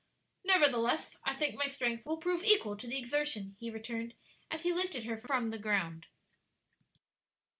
"Nevertheless, I think my strength will prove equal to the exertion," he returned, as he lifted her from the ground.